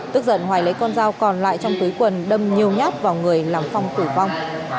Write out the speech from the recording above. tức giận hoài lấy con dao còn lại trong túi quần đâm nhiều nhát vào người làm phong tử vong